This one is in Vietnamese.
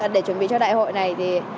để chuẩn bị cho đại hội này